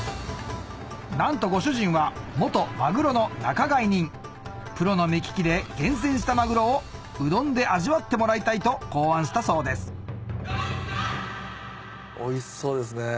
なんとご主人は元マグロの仲買人プロの目利きで厳選したマグロをうどんで味わってもらいたいと考案したそうです